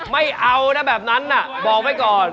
ไม่เอานะแบบนั้นน่ะบอกไว้ก่อน